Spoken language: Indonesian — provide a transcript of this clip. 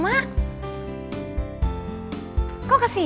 mau ikut donor darah